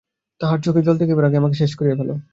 তাহার চোখে জল দেখিবার আগে আমাকে শেষ করিয়া ফেল।